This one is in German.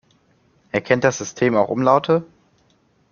Erkennt das System auch Umlaute?